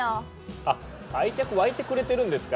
あっ愛着湧いてくれてるんですか？